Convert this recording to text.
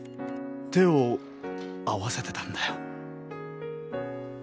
手を合わせてたんだよ。